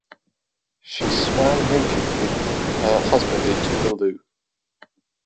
She swam naked with her husband in Tuvalu.